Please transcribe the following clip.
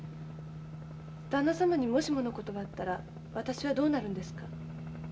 だんな様にもしもの事があったら私はどうなるんですか？